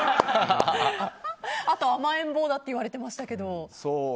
あと甘えん坊だと言われていましたけど。